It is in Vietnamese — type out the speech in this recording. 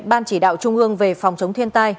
ban chỉ đạo trung ương về phòng chống thiên tai